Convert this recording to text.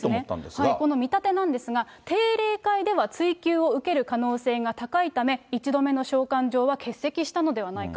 この見立てなんですが、定例会では追及を受ける可能性が高いため、１度目の召喚状は欠席したのではないか。